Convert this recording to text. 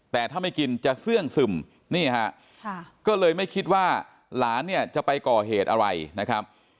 แต่ถ้าไม่กินจะเสื่องซึมนี่ฮะก็เลยไม่คิดว่าหลานเนี่ยจะไปก่อเหตุอะไรนะครับ